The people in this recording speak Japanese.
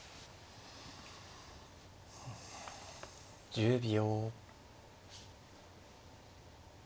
１０秒。